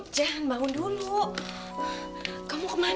tante aku gak mau